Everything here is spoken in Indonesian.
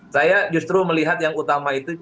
saya justru melihat yang utama itu